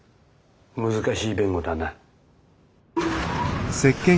難しい弁護だな。